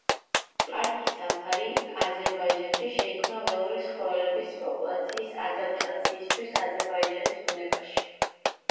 პარკი საფარი აზერბაიჯანში შეიქმნა ველური ცხოველების პოპულაციის ადაპტაციისთვის აზერბაიჯანის ბუნებაში.